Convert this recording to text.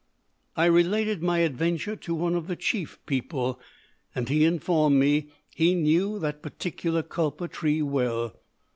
"I related my adventure to one of the chief people, and he informed me he knew that particular kulpa tree well.